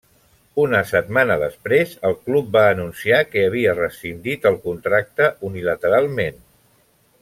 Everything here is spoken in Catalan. Una setmana després el club va anunciar que havia rescindit el contracte unilateralment.